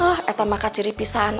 eh itu maka ciri pisan